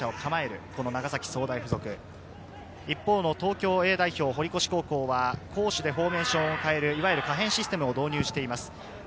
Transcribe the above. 東京Ａ代表・堀越高校は攻守でフォーメーションを変える可変システムを導入しています。